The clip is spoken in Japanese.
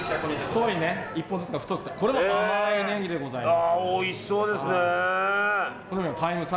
１本ずつが太くて甘いネギでございます。